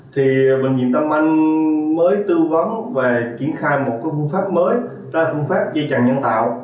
thì bệnh viện tâm anh mới tư vấn và triển khai một cái phương pháp mới ra phương pháp dây chẳng nhân tạo